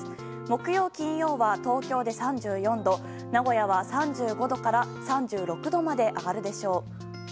木曜、金曜は東京で３４度名古屋は３５度から３６度まで上がるでしょう。